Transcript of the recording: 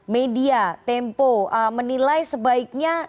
media tempo menilai sebaiknya